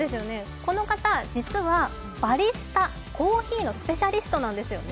この方、実はバリスタ、コーヒーのスペシャリストなんですよね。